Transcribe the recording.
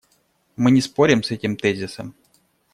Мы не спорим с этим тезисом.